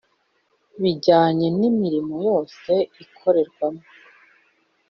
bijyanye n imirimo yose ikorerwamo